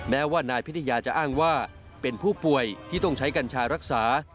แม้ว่านายพิทยาจะอ้างว่าเป็นผู้ป่วยที่ต้องใช้กัญชารักษา